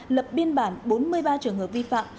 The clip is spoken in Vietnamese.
lập biên bản bốn mươi ba trường hợp vi phạm